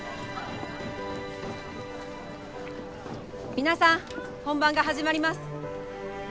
皆さん本番が始まります。